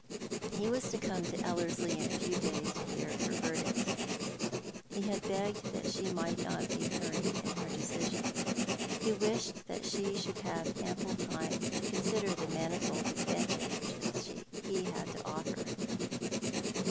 He was to come to Ellerslie in a few days to hear her verdict. He had begged that she might not be hurried in her decision. He wished that she should have ample time to consider the manifold advantages he had to offer.